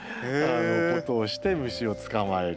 ことをして虫を捕まえる。